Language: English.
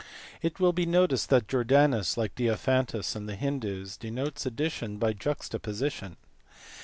It will be noticed that Jordanus, like Diophantus and the Hindoos, denotes addition by juxtaposition.